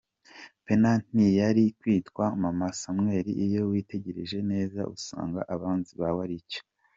Pennina ntiyari kwitwa mama Samweli iyo witegereje neza usanga abanzi bawe ari cyo.